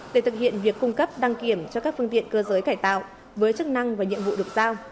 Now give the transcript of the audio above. để thực hiện việc cung cấp đăng kiểm cho các phương tiện cơ giới cải tạo với chức năng và nhiệm vụ được giao